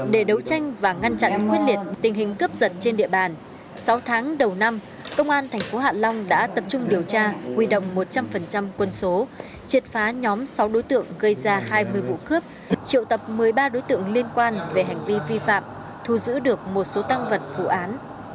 để đấu tranh và ngăn chặn quyết liệt tình hình cướp giật trên địa bàn sáu tháng đầu năm công an thành phố hạ long đã tập trung điều tra huy động một trăm linh quân số triệt phá nhóm sáu đối tượng gây ra hai mươi vụ cướp triệu tập một mươi ba đối tượng liên quan về hành vi vi phạm thu giữ được một số tăng vật vụ án